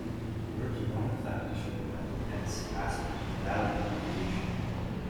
Verbs are not inflected to show grammatical tense, aspect, modality, or negation.